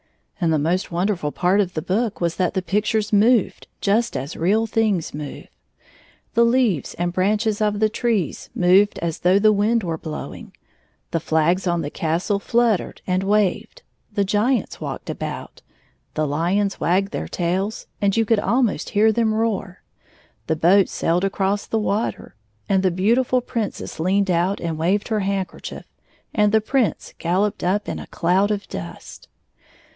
And the most wonderftd part of the book was that the pictures moved just as real things move. The leaves and branches of the trees moved as though the wind were blowing, the flags on the castle fluttered and waved, the giants walked about, the hons wagged their tails, and you could almost hear them roar, the boats sailed across the water, and the beautiftil Princess leaned out and waved her handkerchief, and the Prince galloped up in a cloud of dust.